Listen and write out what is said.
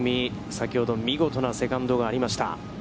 先ほど見事なセカンドがありました。